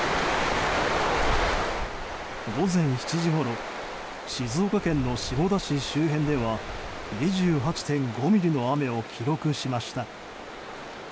午前７時ごろ静岡県の下田市周辺では２８．５ミリの雨を記録しました。